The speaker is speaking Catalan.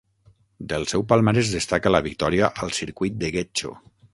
Del seu palmarès destaca la victòria al Circuit de Getxo.